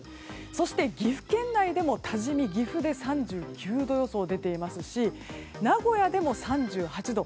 そして岐阜県内でも多治見で３９度予想が出ていますし名古屋でも３８度。